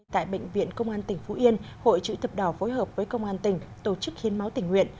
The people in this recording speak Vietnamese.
tại bệnh viện công an tỉnh phú yên hội chữ thập đỏ phối hợp với công an tỉnh tổ chức hiến máu tình nguyện